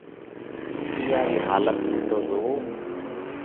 اِيئا رِي حالت نئہ تو زوئو۔